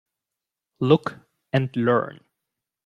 Look and learn.